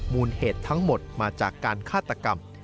มูลเหตุทั้งหมดมาจากการฆาตกรรม